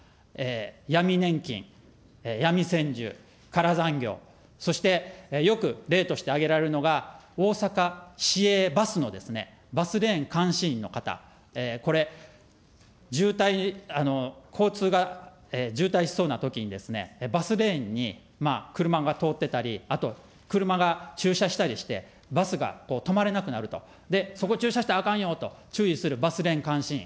闇年金、闇せんじゅう、空残業、そして、よく例として挙げられるのが、大阪市営バスのバスレーン監視員の方、これ、渋滞、交通が渋滞しそうなときにバスレーンに車が通ってたり、あと、車が駐車したりして、バスが止まれなくなると、そこ、駐車したらあかんよと注意するバスレーン監視員。